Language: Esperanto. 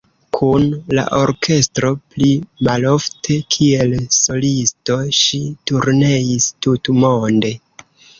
Kun la orkestro, pli malofte kiel solisto ŝi turneis tutmonde.